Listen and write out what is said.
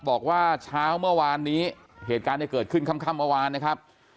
บอกว่าเช้าเมื่อวานนี้เหตุการณ์เนี่ยเกิดขึ้นค่ำเมื่อวานนะครับ